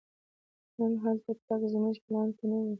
نن هلته تګ زموږ په پلان کې نه و.